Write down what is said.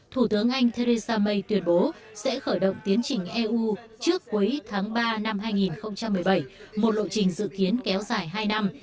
thủ tướng anh theresa may tuyên bố sẽ khởi động tiến trình eu trước cuối tháng ba năm hai nghìn một mươi bảy một lộ trình dự kiến kéo dài hai năm